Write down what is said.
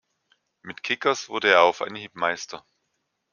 Mit Kickers wurde er auf Anhieb Meister.